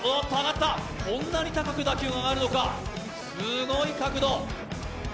こんなに高く打球が上がるのか、すごい角度。